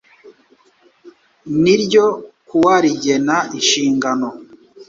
niryo ku wa rigena inshingano